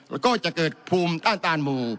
แล้วก็จะเกิดภูมิต้านตานหมู่